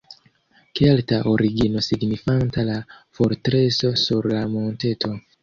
Kelta origino signifanta "la fortreso sur la monteto".